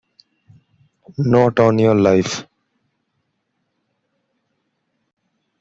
Not on your life!